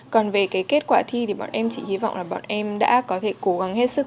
còn về cái kết quả thi thì bọn em chỉ hy vọng là bọn em đã có thể cố gắng hết sức